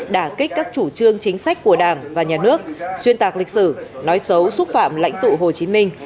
đả kích các chủ trương chính sách của đảng và nhà nước xuyên tạc lịch sử nói xấu xúc phạm lãnh tụ hồ chí minh